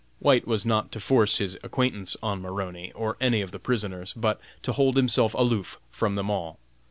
White was not to force his acquaintance on Maroney, or any of the prisoners, but to hold himself aloof from them all.